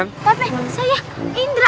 kakek saya indra